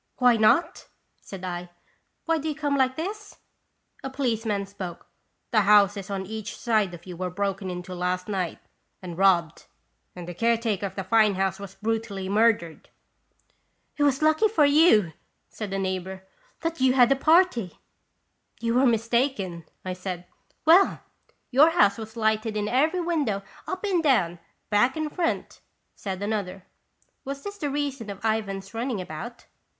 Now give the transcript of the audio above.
"Why not?" said I. "Why do you come like this?" A policeman spoke: "The houses on each side of you were broken into last night and robbed, and the care taker of the fine house was brutally murdered !" "It was lucky for you," said a neighbor, " that you had a party." " You are mistaken," I said. "Well, your house was lighted in every window, up and down, back and front," said another. Was this the reason of Ivan's running about